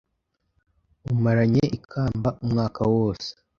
umaranye ikamba umwaka wose